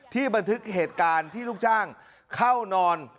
บันทึกเหตุการณ์ที่ลูกจ้างเข้านอน